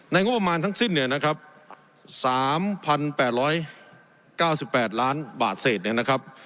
ในงบประมาณทั้งสิ้นเนี่ยนะครับสามพันแปดร้อยเก้าสิบแปดล้านบาทเศษเนี่ยนะครับ